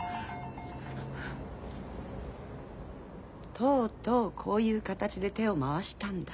とうとうこういう形で手を回したんだ。